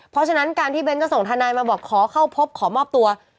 เพราะฉะนั้นการที่เบ้นก็ส่งทนายมาบอกขอเข้าพบขอมอบตัว